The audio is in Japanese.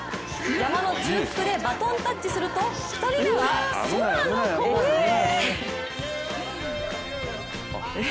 山の中腹でバトンタッチすると、２人目は空のコースへ。